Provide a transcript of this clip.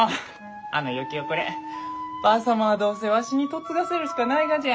あの嫁き遅ればあ様はどうせわしに嫁がせるしかないがじゃ。